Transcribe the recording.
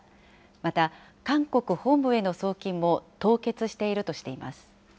また、韓国本部への送金も凍結しているとしています。